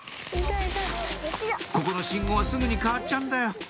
ここの信号はすぐに変わっちゃうんだよ